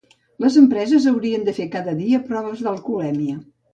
Les empreses haurien de fer cada dia proves d'alcoholèmia.